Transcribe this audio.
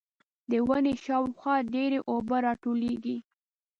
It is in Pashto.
د ونې شاوخوا ډېرې اوبه راټولېږي.